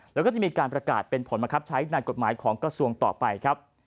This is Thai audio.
แล้วก็จะมีการประกาศเป็นผลบังคับใช้ในกฎหมายของกระทรวงต่อไปครับ